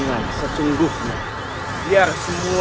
masuklah ke dalam